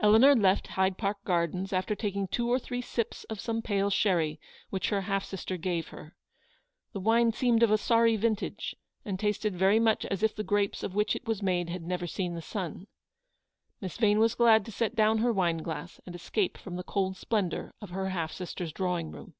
Eleanor left Hyde Park Gardens after taking two or three sips of some pale sherry which her half sister gave her. The wine seemed of a sorry vintage, and tasted very much as if the grapes of which it was made had never seen the sun. Miss Vane was glad to set down her wine glass and escape from the cold splendour of her half sister's drawing room.